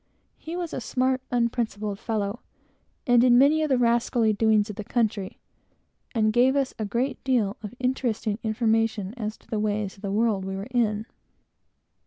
He was a smart, unprincipled fellow, was at the bottom of most of the rascally doings of the country, and gave us a great deal of interesting information in the ways of the world we were in.